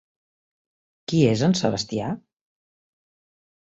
Qui és en Sebastià?